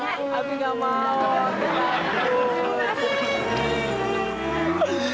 mami aku gak mau aku takut